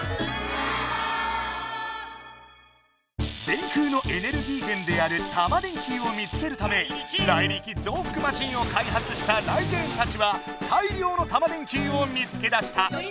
電空のエネルギー源であるタマ電Ｑを見つけるためライリキぞうふくマシンをかいはつしたライデェンたちは大りょうのタマ電Ｑを見つけ出した。